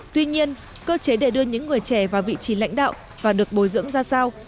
tuy nhiên cơ chế để đưa những người trẻ vào vị trí lãnh đạo và được bồi dưỡng ra sao